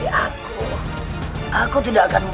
ini adalah kebenaranmu